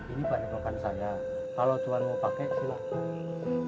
ini padekan saya kalau tuhan mau pakai silahkan